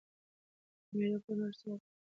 د مېلو پر مهال هر څوک د یو بل احترام کوي.